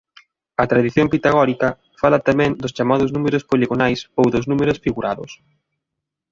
A tradición pitagórica fala tamén dos chamados números poligonais ou dos números figurados.